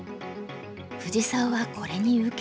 藤沢はこれに受けた。